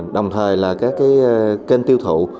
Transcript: đồng thời là các kênh tiêu thụ